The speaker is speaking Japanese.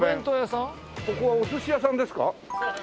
ここはお寿司屋さんですか？